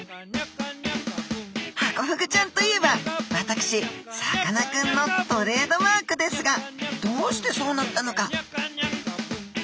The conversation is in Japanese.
ハコフグちゃんといえば私さかなクンのトレードマークですがどうしてそうなったのか？